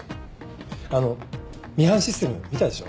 あのミハンシステム見たでしょ？